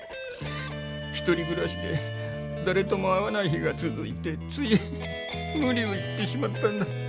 ひとりぐらしでだれとも会わない日が続いてついむ理を言ってしまったんだ。